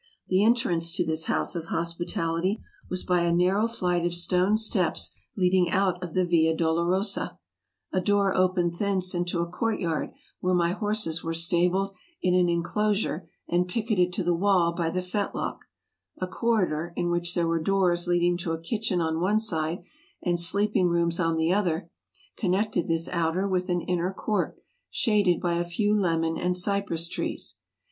The entrance to this house of hospitality was by a nar ASIA 257 row flight of stone steps leading out of the Via Dolorosa; a door opened thence into a court yard, where my horses were stabled in an inclosure and picketed to the wall by the fetlock ; a corridor, in which there were doors leading to a kitchen on one side and sleeping rooms on the other, con nected this outer with an inner court, shaded by a few lemon and cypress trees.